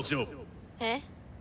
えっ。